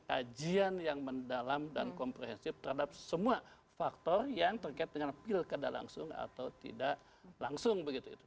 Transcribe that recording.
kajian yang mendalam dan komprehensif terhadap semua faktor yang terkait dengan pilkada langsung atau tidak langsung begitu